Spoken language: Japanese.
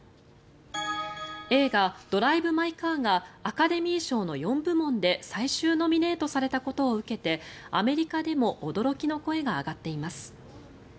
映画「ドライブ・マイ・カー」がアカデミー賞の４部門で最終ノミネートされたことを受けてアメリカでも驚きの声が上がっています。